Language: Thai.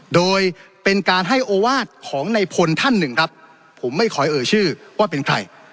โดยเป็นการให้โอวาสของในพลท่านหนึ่งครับผมไม่ขอเอ่ยชื่อว่าเป็นใคร